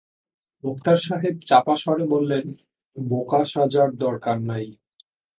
মোক্তার সাহেব চাপা স্বরে বললেন, বোকা সাজার দরকার নাই!